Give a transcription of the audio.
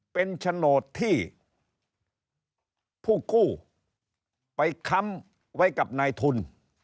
เป็นโฉนดที่ผู้กู้ไปค้ำไว้กับนายทุน